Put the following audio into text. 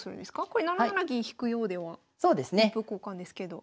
これ７七銀引くようでは一歩交換ですけど。